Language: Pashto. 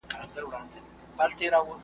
لادي په برخه توري شپې نوري .